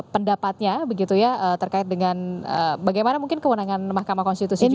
pendapatnya begitu ya terkait dengan bagaimana mungkin kewenangan mahkamah konstitusi ini